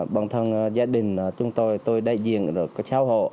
bản thân gia đình chúng tôi đại diện có cháu hộ